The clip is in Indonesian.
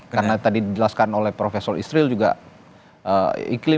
karena tadi dijelaskan oleh prof istril juga iklim di sumatera barat agak anomali begitu ya